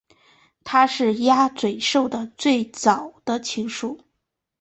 它是鸭嘴兽的最早的亲属。